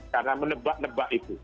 karena menebak nebak itu